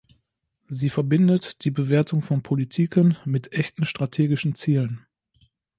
Sie verbindet die Bewertung von Politiken mit echten strategischen Zielen.